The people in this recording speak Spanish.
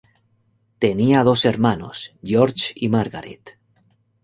Tenía dos hermanos, George y Margaret.